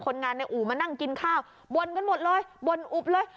คนงานในอู่มานั่งกินข้าวบ่นกันหมดเลยบ่นอุบเลย